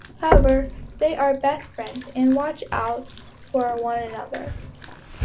However, they are best friends and watch out for one another.